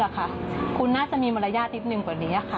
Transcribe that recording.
คุณน่าจะมีมารยาทนิดนึงกว่านี้ค่ะ